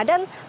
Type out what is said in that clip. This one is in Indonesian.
dan kami juga